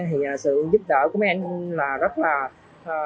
thì sự giúp đỡ của mấy anh là rất là quý giá